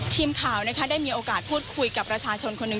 ทีมข่าวนะคะได้มีโอกาสพูดคุยกับประชาชนคนหนึ่ง